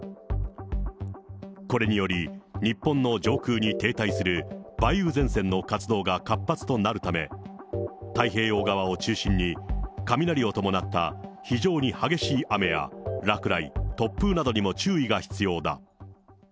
これにより、日本の上空に停滞する梅雨前線の活動が活発となるため、太平洋側を中心に雷を伴った非常に激しい雨や落雷、突風などにも注意が必要だ。